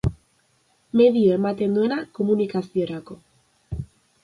Medio ematen duena komunikaziorako.